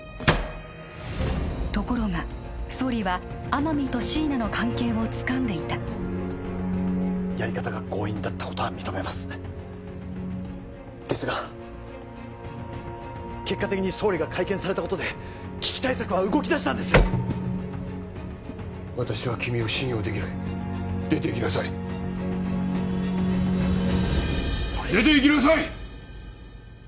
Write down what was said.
ところが総理は天海と椎名の関係をつかんでいたやり方が強引だったことは認めますですが結果的に総理が会見されたことで危機対策は動きだしたんです私は君を信用できない出ていきなさい総理出ていきなさい！